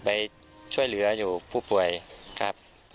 ไปช่วยเหลืออยู่ผู้ป่วยครับ